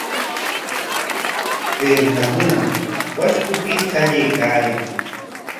Chay runakuna washku upyayta qallaykaayan.